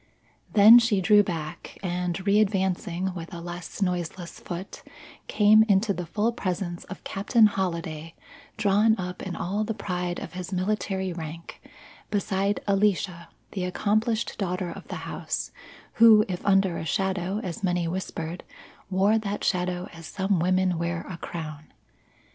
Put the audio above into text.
Then she drew back, and readvancing with a less noiseless foot, came into the full presence of Captain Holliday drawn up in all the pride of his military rank beside Alicia, the accomplished daughter of the house, who, if under a shadow as many whispered, wore that shadow as some women wear a crown.